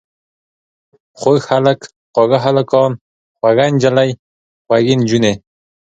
خوږ هلک، خواږه هلکان، خوږه نجلۍ، خوږې نجونې.